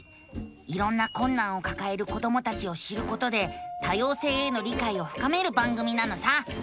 いろんなこんなんをかかえる子どもたちを知ることで多様性への理解をふかめる番組なのさ！